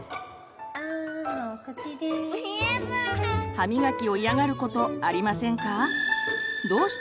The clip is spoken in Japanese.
歯みがきを嫌がることありませんか？